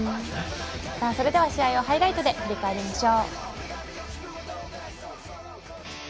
それでは試合をハイライトで振り返りましょう。